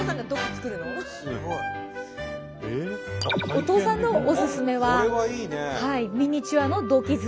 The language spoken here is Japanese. お父さんのおすすめはミニチュアの土器作りです。